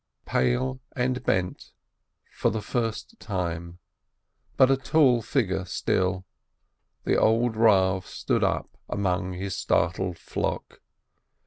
Pale and bent for the first time, but a tall figure still, the old Rav stood up among his startled flock.